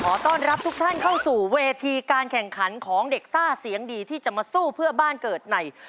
ต้อนรับทุกท่านเข้าสู่เวทีการแข่งขันของเด็กซ่าเสียงดีที่จะมาสู้เพื่อบ้านเกิดใน